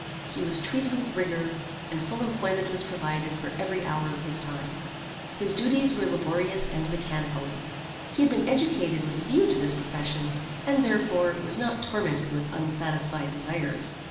He was treated with rigor, and full employment was provided for every hour of his time. His duties were laborious and mechanical. He had been educated with a view to this profession, and, therefore, was not tormented with unsatisfied desires.